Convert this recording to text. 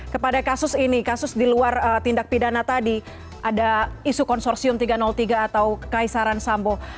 karena kasus ini kasus di luar tindak pidana tadi ada isu konsorsium tiga ratus tiga atau kaisaran sambo